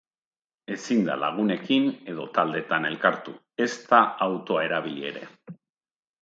Ezin da lagunekin edo taldeetan elkartu, ezta autoa erabili ere.